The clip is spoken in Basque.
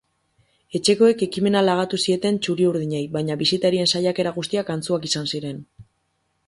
Etxekoek ekimena lagatu zieten txuri-urdinei baina bisitarien saiakera guztiak antzuak izan ziren.